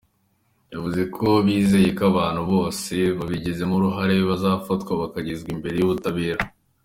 Yavuze ko bizeye ko abantu bose babigizemo uruhare bazafatwa bakagezwa imbere y’ubutabera.